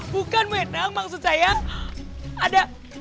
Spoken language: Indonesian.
bukan bu endang maksud saya ada